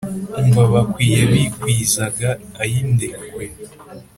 umva bakwiye bikwizaga ayi ndekwe,